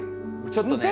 ちょっとね。